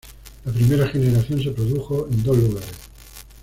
La primera generación se produjo en dos lugares.